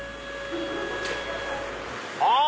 あっ！